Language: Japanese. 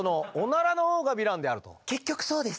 結局そうです。